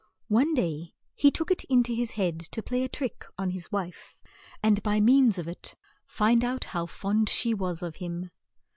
One day he took it in to his head to play a trick on his wife, and by means of it find out how fond she was of him.